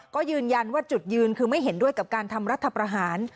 ก็ยืนยันว่าจุดยืนคือไม่เห็นด้วยกับการทำรัฐประหาร